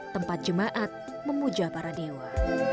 tempat jemaat memuja para dewa